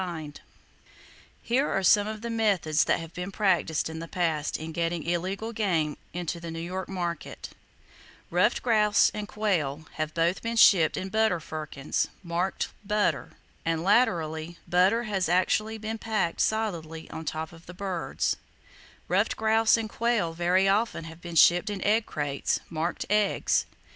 From "Rod and Gun in Canada" A PERFECTLY LAWFUL BAG OF 58 RUFFED GROUSE FOR TWO MEN Here are some of the methods that have been practiced in the past in getting illegal game into the New York market: Ruffed grouse and quail have both been shipped in butter firkins, marked "butter"; and latterly, butter has actually been packed solidly on top of the birds. Ruffed grouse and quail very often have been shipped in egg crates, marked "eggs."